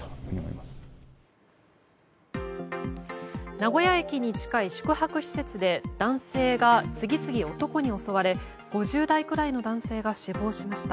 名古屋駅に近い宿泊施設で男性が次々男に襲われ５０代くらいの男性が死亡しました。